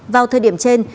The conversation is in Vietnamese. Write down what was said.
vào thời điểm trên